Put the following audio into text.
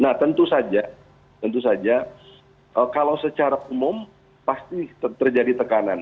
nah tentu saja tentu saja kalau secara umum pasti terjadi tekanan